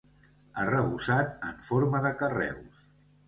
Arrebossat en forma de carreus.